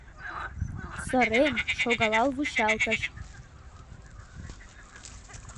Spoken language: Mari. Сырен, шогалал вучалтыш.